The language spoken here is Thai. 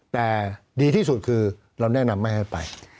แต่ดีที่สุดคือเราแนะนำไม่ให้ไป